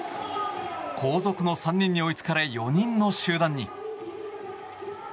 後続の３人に追いつかれ４人の集団に。